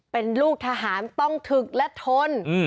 เป็นลูกทหารต้องถึกและทน